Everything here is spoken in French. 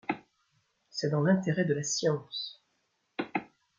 C’est dans l’intérêt de la science !